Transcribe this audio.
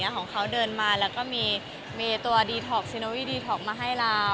ของเขาเดินมาแล้วก็มีตัวดีท็อกซิโนวีดีท็อกมาให้เรา